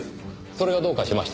それがどうかしましたか？